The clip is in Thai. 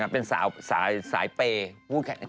เป็นสายไป